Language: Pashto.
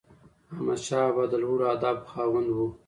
احمدشاه بابا د لوړو اهدافو خاوند و.